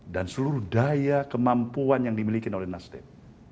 dan seluruh daya kemampuan yang dimiliki oleh nasdem